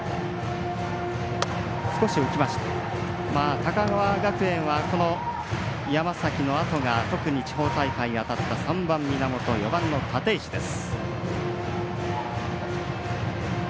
高川学園は、山崎のあとが特に地方大会当たった３番、源４番の立石です。